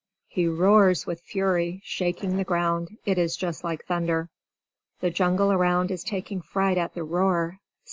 He roars with fury, shaking the ground; it is just like thunder. The jungle around is taking fright at the roar.